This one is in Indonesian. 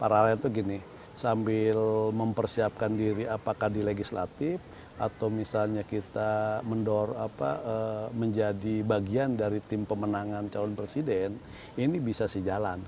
paralelnya itu gini sambil mempersiapkan diri apakah di legislatif atau misalnya kita mendorong menjadi bagian dari tim pemenangan calon presiden ini bisa sih jalan